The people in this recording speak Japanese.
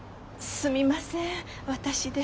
すみません私で。